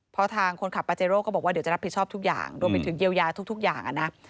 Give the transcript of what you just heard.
เพราะทางคนขับปาเจโร่ก็บอกว่าเดี๋ยวจะรับผิดชอบทุกอย่างรวมไปถึงเยียวยาทุกอย่างนะ